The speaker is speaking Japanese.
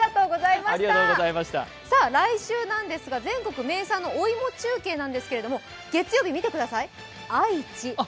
来週ですが、全国名産のお芋中継ですけども、月曜日見てください、愛知。